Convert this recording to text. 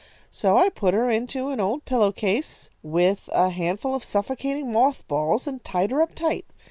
So I put her into an old pillow case with a handful of suffocating moth balls, and tied her up tight.